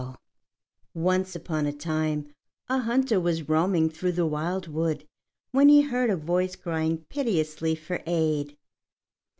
] Once upon a time a hunter was roaming through the wildwood when he heard a voice crying piteously for aid.